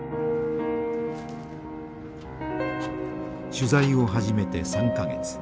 取材を始めて３か月